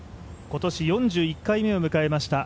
今年４１回目を迎えました